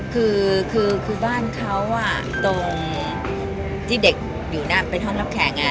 คือคือคือบ้านเขาอ่ะตรงที่เด็กอยู่หน้าเป็นห้องรับแขนง่ะ